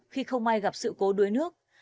khi không ai gặp sự cố đối nước